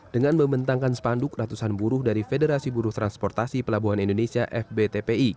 dengan membentangkan sepanduk ratusan buruh dari federasi buruh transportasi pelabuhan indonesia fbtpi